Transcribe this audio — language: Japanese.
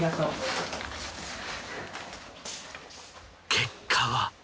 結果は。